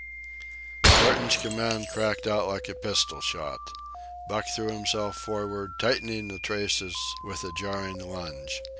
Thornton's command cracked out like a pistol shot. Buck threw himself forward, tightening the traces with a jarring lunge.